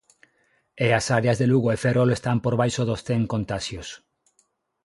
E as áreas de Lugo e Ferrol están por baixo dos cen contaxios.